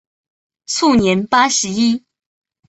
卒年八十一。